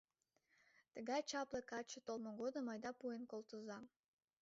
Тыгай чапле каче толмо годым айда пуэн колтыза.